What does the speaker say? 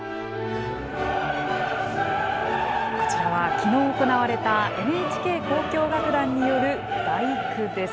こちらはきのう行われたＮＨＫ交響楽団による第九です。